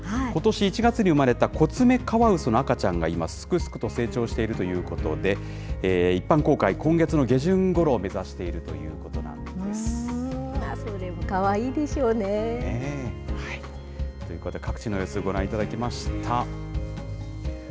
ことし１月に生まれたコツメカワウソの赤ちゃんが、今、すくすくと成長しているということで、一般公開、今月の下旬ごろを目指しかわいいでしょうねぇ。ということで、各地の様子ご覧いただきました。